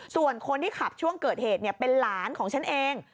ส่วนคนที่ขับช่วงเกิดเหตุเป็นหลานของฉันเอง